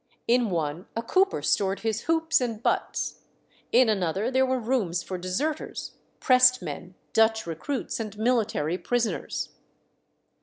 In one a cooper stored his hoops and butts; in another there were rooms for deserters, pressed men, Dutch recruits, and military prisoners.